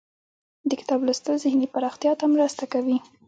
د کتاب لوستل ذهني پراختیا ته مرسته کوي.